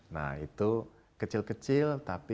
nah itu kecil kecil